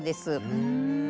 ふん。